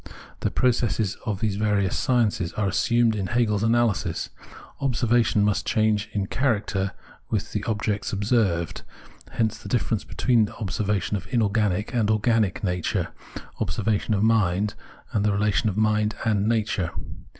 The processes of these various sciences are assumed in Hegel's analysis. Observation must change in character with the objects observed ; hence the difference between observation of inorganic and organic nature, obser vation of mind, and of the relation of mind and nature.